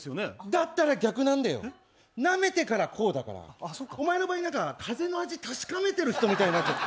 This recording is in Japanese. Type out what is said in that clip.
だったら逆なんだよ、なめてからこうだから。お前の場合、風の味、確かめてる人みたいになってる。